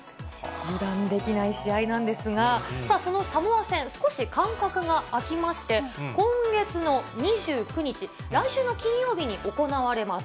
油断できない試合なんですが、さあ、そのサモア戦、少し間隔が空きまして、今月の２９日、来週の金曜日に行われます。